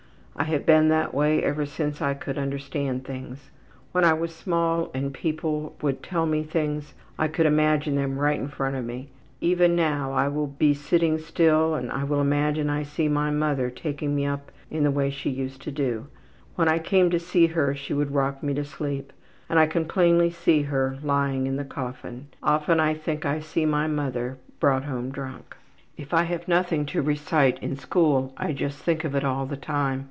I have been that way ever since I could understand things. When I was small and people would tell me things I could imagine them right in front of me. Even now I will be sitting still and I will imagine I see my mother taking me up in the way she used to. When I came to see her she would rock me to sleep, and I can plainly see her lying in the coffin. Often I think I see my mother brought home drunk. ``If I have anything to recite in school I just think of it all the time.